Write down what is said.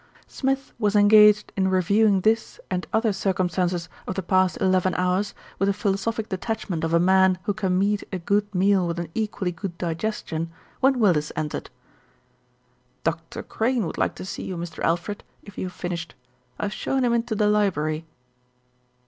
Smith was engaged in reviewing this and other cir cumstances of the past eleven hours, with the philo sophic detachment of a man who can meet a good meal with an equally good digestion, when Willis entered. "Dr. Crane would like to see you, Mr. Alfred, if you have finished. I have shown him into the library."